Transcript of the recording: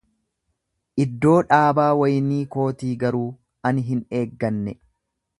iddoo dhaabaa waynii kootii garuu ani hin eegganne.